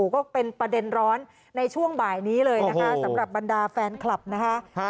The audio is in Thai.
ก็เป็นประเด็นร้อนในช่วงบ่ายนี้เลยนะคะสำหรับบรรดาแฟนคลับนะคะ